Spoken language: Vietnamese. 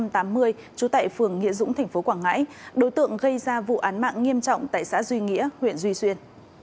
trú tại phường nghĩa dũng tp quảng ngãi đối tượng gây ra vụ án mạng nghiêm trọng tại xã duy nghĩa huyện duy xuyên